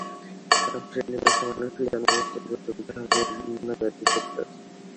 সব শ্রেণিপেশার মানুষকে জনমত গড়ে তুলতে হবে এ ঘৃণ্য ব্যাধি প্রতিরোধে।